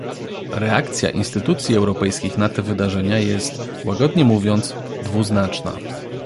Reakcja instytucji europejskich na te wydarzenia jest - łagodnie mówiąc - dwuznaczna